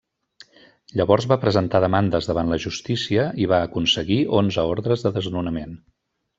Llavors va presentar demandes davant la justícia i va aconseguir onze ordres de desnonament.